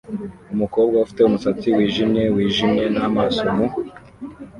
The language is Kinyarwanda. Umukobwa ufite umusatsi wijimye wijimye n'amaso mu